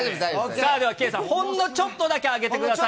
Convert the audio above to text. さあでは、圭さん、ほんのちょっとだけ上げてください。